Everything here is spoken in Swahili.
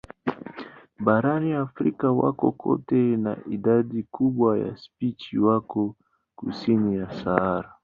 Barani Afrika wako kote na idadi kubwa ya spishi wako kusini ya Sahara.